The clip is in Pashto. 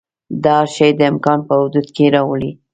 دا هر شی د امکان په حدودو کې راولي.